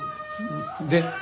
で？